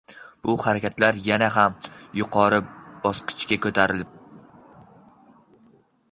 Bu harakatlar yana ham yuqori bosqichga ko‘tarilib: